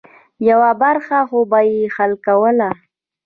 یوه برخه خو به یې حل کوله.